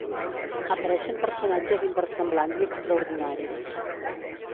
Apareixen personatges inversemblants i extraordinaris.